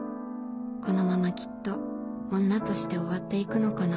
「このままきっと女として終わっていくのかな」